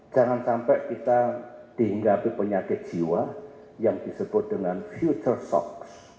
jangan sampai kita dihinggapi penyakit jiwa yang disebut dengan future fox